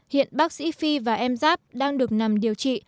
hiện bác sĩ phi và em giáp đang được nằm điều trị